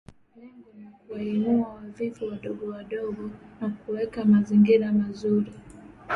Lengo ni kuwainua wavuvi wadogo wadogo na kuweka mazingira mazuri